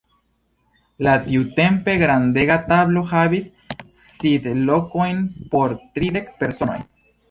La tiutempe grandega tablo havis sidlokojn por tridek personoj.